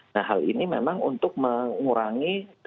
nah hal ini memang untuk mengurangi